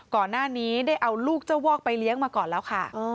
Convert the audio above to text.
ก่อนหน้านี้ได้เอาลูกเจ้าวอกไปเลี้ยงมาก่อนแล้วค่ะ